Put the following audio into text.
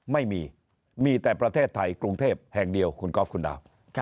ไม่มีมีแต่ประเทศไทยกรุงเทพแห่งเดียวคุณก๊อฟคุณดาว